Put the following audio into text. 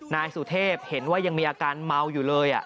นายสุเทพเห็นว่ายังมีอาการเมาอยู่เลย